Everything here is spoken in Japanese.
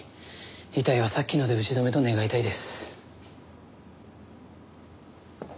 遺体はさっきので打ち止めと願いたいです。